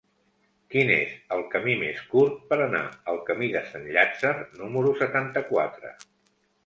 Quin és el camí més curt per anar al camí de Sant Llàtzer número setanta-quatre?